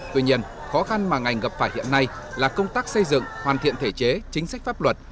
tuy nhiên khó khăn mà ngành gặp phải hiện nay là công tác xây dựng hoàn thiện thể chế chính sách pháp luật